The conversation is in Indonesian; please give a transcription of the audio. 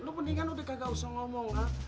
lo mendingan udah kagak usah ngomong ha